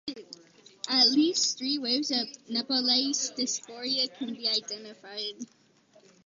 At least three waves of Nepalese diaspora can be identified.